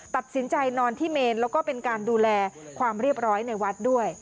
ตัดสินใจนอนที่เมนแล้วก็เป็นการดูแลความเรียบร้อยในวัดด้วย